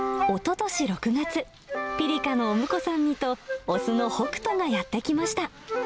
おととし６月、ピリカのお婿さんにと、雄のホクトがやって来ました。